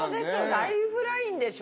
ライフラインでしょ？